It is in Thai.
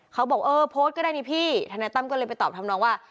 เขาบอกเออโพสต์ก็ได้นี่พี่ธนายตั้มก็เลยไปตอบทำนองว่า